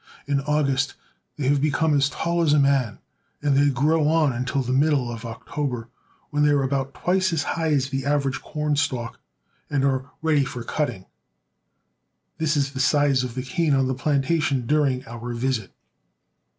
In August they have become as tall as a man, and they grow on until the middle of October, when they are about twice as high as the average corn stalk and are ready for cutting. This is the size of the cane on the plantation during our visit.